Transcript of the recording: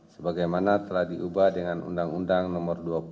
sebagaimana telah diubah dengan undang undang nomor dua puluh satu